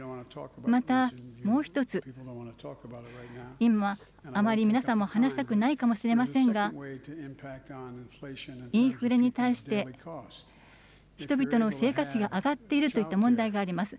また、もう一つ、今、あまり皆さんも話したくないかもしれませんが、インフレに対して、人々の生活費が上がっているといった問題があります。